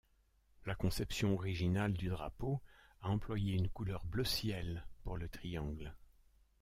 La conception originale du drapeau a employé une couleur bleu ciel pour le triangle.